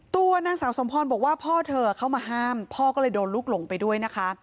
ตัวนางสาวสมพรบอกว่าพ่อเธอเข้ามาห้ามพ่อก็เลยโดนลูกหลงไปด้วยนะคะ